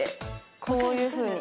こういうふうに。